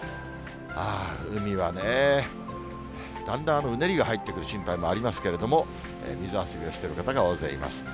ああ、海はね、だんだんうねりが入ってくる心配もありますけれども、水遊びをしている方が大勢います。